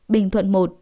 bình thuận một